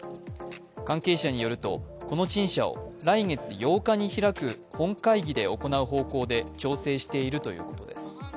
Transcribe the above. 関係者によると、この陳謝を来月８日に開く本会議で行う方向で調整しているということです。